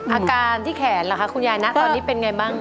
อาการที่แขนเหรอคะคุณยายตอนนี้เป็นอย่างไรบ้าง